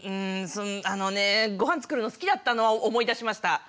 あのねごはん作るの好きだったのは思い出しました。